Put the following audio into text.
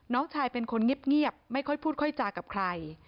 น้องชายเป็นคนเงียบไม่ค่อยพูดค่อยจากับใคร